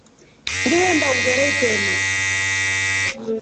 Ngehemba ungere itrema.